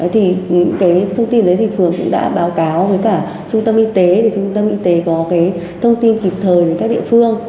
thì những cái thông tin đấy thì phường cũng đã báo cáo với cả trung tâm y tế để trung tâm y tế có cái thông tin kịp thời đến các địa phương